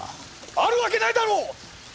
あるわけないだろう！